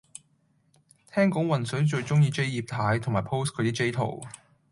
聽講渾水最鍾意 J 葉太，同埋 post 佢啲 J 圖